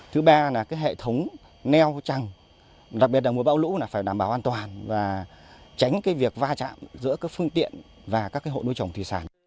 thứ ba là hệ thống neo trăng đặc biệt là mùa bão lũ phải đảm bảo an toàn và tránh việc va chạm giữa các phương tiện và các hộ nuôi trồng thủy sản